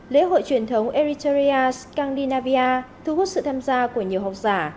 lễ hội truyền thống eritrea scandinavia thu hút sự tham gia của nhiều học giả